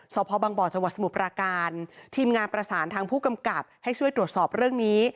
สพบังบ่อจังหวัดสมุทรปราการทีมงานประสานทางผู้กำกับให้ช่วยตรวจสอบเรื่องนี้